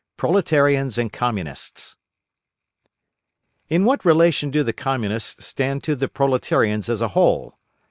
PROLETARIANS AND COMMUNISTS In what relation do the Communists stand to the proletarians as a whole?